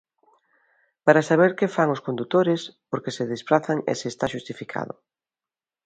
Para saber que fan os condutores, por que se desprazan e se está xustificado.